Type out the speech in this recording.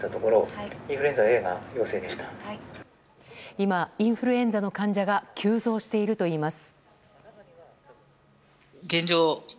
今、インフルエンザの患者が急増しているといいます。